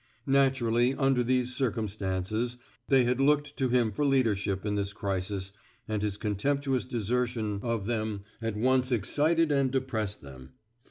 Naturally, under these circumstances, they had looked to him for leadership in this crisis, and his contemptuous desertion of 255 THE SMOKE EATERS ihem at once excited and depressed them.